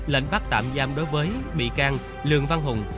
lệnh bắt tạm giam đối với bị can lường văn hùng